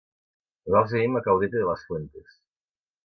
Nosaltres vivim a Caudete de las Fuentes.